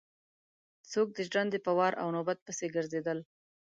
څوک د ژرندې په وار او نوبت پسې ګرځېدل.